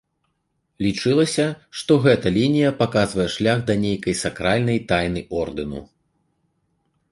Лічылася, што гэта лінія паказвае шлях да нейкай сакральнай тайны ордэну.